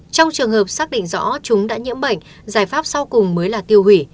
trong trường hợp xác định rõ chúng đã nhiễm bệnh giải pháp sau cùng mới là tiêu hủy